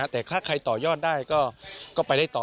แต่ถ้าใครต่อยอดได้ก็ไปได้ต่อ